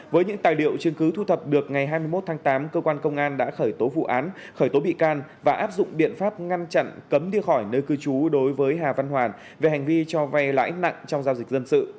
với những tài liệu chứng cứ thu thập được ngày hai mươi một tháng tám cơ quan công an đã khởi tố vụ án khởi tố bị can và áp dụng biện pháp ngăn chặn cấm đi khỏi nơi cư trú đối với hà văn hoàn về hành vi cho vay lãi nặng trong giao dịch dân sự